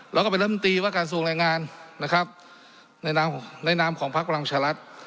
แล้วก็เป็นเริ่มตีว่าการส่งแรงงานนะครับในรามของพรรคพลังฉลัด